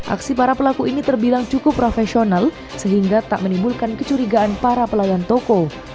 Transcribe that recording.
aksi para pelaku ini terbilang cukup profesional sehingga tak menimbulkan kecurigaan para pelayan toko